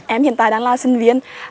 em hiện tại đang là sinh viên